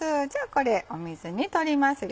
これ水にとりますよ。